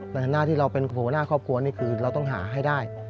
ในฐานะที่เราเป็นหัวหน้าครอบครัวนี่คือเราต้องหาให้ได้